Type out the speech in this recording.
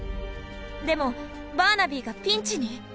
でもバーナビーがピンチに！